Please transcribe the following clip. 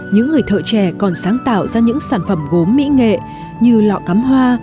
những người thợ trẻ còn sáng tạo ra những sản phẩm gốm mỹ nghệ như lọ cắm hoa